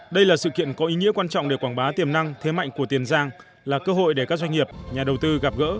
đây là sự kiện có ý nghĩa quan trọng để quảng bá tiềm năng thế mạnh của tiền giang là cơ hội để các doanh nghiệp nhà đầu tư gặp gỡ